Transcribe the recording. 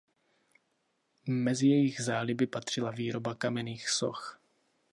Mezi jejich záliby patřila výroba kamenných soch.